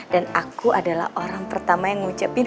aku adalah orang pertama yang ngucapin